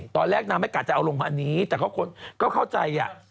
ตอนแรกนางไม่กะจะเอาลงพันนี้แต่ก็เข้าใจ